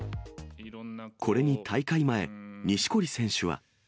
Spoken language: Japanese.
これに大会前、錦織選手は。